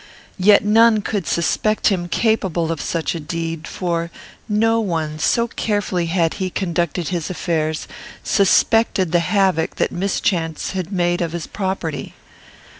Yet none could suspect him capable of such a deed; for none, so carefully had he conducted his affairs, suspected the havoc that mischance had made of his property.